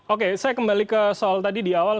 oke saya kembali ke soal tadi di awal